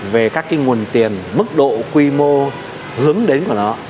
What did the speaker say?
về các cái nguồn tiền mức độ quy mô hướng đến của nó